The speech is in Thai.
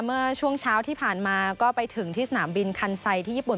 เมื่อช่วงเช้าที่ผ่านมาก็ไปถึงที่สนามบินคันไซคที่ญี่ปุ่น